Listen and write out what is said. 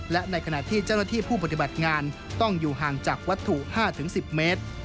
และในขณะที่เจ้าหน้าที่ผู้ปฏิบัติงานต้องอยู่ห่างจากวัตถุ๕๑๐เมตร